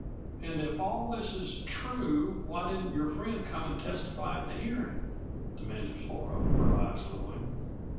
"And if all this is true, why didn't your friend come and testify at the hearing?" demanded Flora, her eyes glowing.